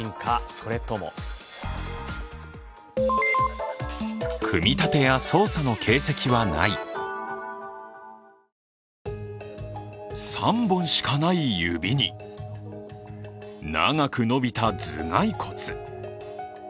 それとも３本しかない指に長く伸びた頭蓋骨。